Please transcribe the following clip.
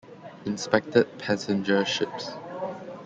Inspected passenger ships.